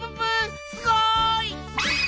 すごい！